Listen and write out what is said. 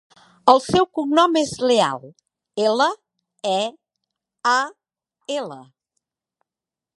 El seu cognom és Leal: ela, e, a, ela.